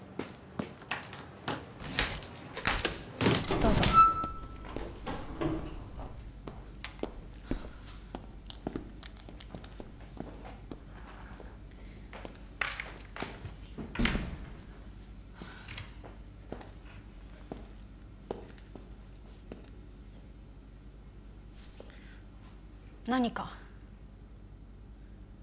どうぞ何か？